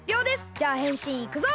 じゃあへんしんいくぞ！